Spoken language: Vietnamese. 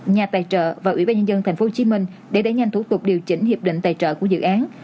nhà tài trợ và ủy ban nhân dân tp hcm để đẩy nhanh thủ tục điều chỉnh hiệp định tài trợ của dự án